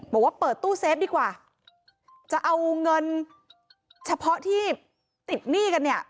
บอกว่าเปิดตู้เซฟดีกว่าจะเอาเงินเฉพาะที่ติดหนี้กันเนี่ย